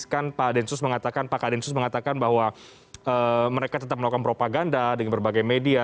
kan pak densus mengatakan bahwa mereka tetap melakukan propaganda dengan berbagai media